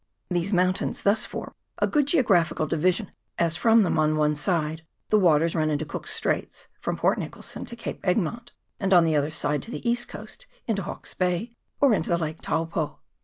These mountains thus form a good geographical division, as from them on one side the waters run into Cook's Straits, from Port Nicholson to Cape Egmont, and on the other side to the east coast, into Hawke's Bay, or into the lake Taupo.